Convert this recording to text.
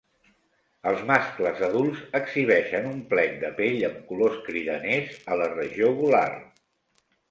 Els mascles adults exhibeixen un plec de pell amb colors cridaners a la regió gular.